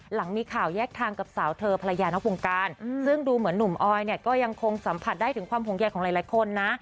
หลังมีข่าวแยกทางกับสาวเธอภรรยานอกวงการซึ่งดูเหมือนหนุ่มออยเนี่ยก็ยังคงสัมผัสได้ถึงความห่วงใยของหลายคนนะ